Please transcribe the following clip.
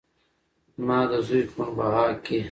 زما د زوى خون بها کې